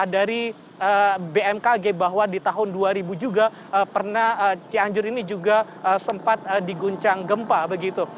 dari bmkg bahwa di tahun dua ribu juga pernah cianjur ini juga sempat diguncang gempa begitu